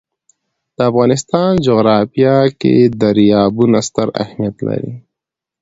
د افغانستان جغرافیه کې دریابونه ستر اهمیت لري.